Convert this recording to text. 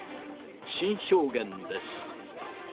新証言です。